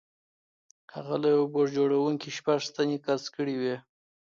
هغه له یوه بوټ جوړوونکي شپږ سنټه قرض کړي وو